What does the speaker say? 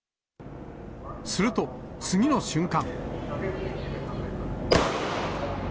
すると、次の瞬間。